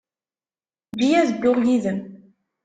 Eǧǧ-iyi ad dduɣ yid-m.